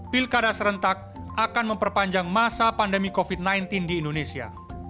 pilkada serentak akan memperpanjang masa pandemi covid sembilan belas di indonesia